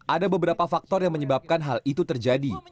ada beberapa faktor yang menyebabkan hal itu terjadi